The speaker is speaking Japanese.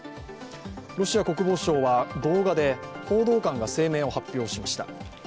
ロシア国防省は動画で、報道官が声明を発表しました。